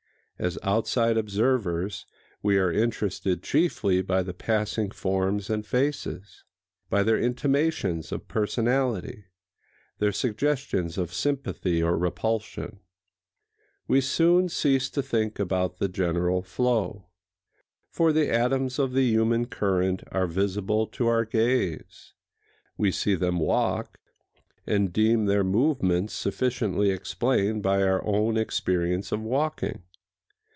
As outside observers we are interested chiefly by the passing forms and faces,—by their intimations of personality, their suggestions of sympathy or repulsion. We soon cease to think about the general flow. For the atoms of the human current are visible to our gaze: we see them walk, and deem their movements sufficiently explained by our own experience of walking.